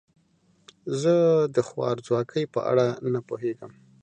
زه د خوارځواکۍ په اړه نه پوهیږم.